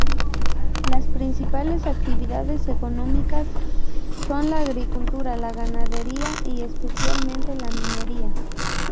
Las principales actividades económicas son la agricultura, la ganadería y especialmente; la minería.